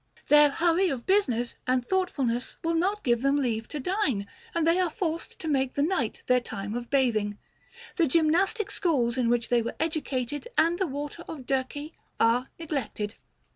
Their hurry of business and though tful ness will not give them leave to dine, and they are forced to make the night their time of bathing ; the gymnastic schools in which they were educated and the water of Dirce are neglected.